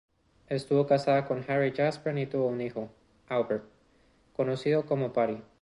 Estuvo casada con Harry Jespersen y tuvo un hijo, Albert conocido como Buddy.